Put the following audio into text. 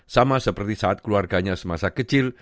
sama seperti saat keluarganya semasa kecil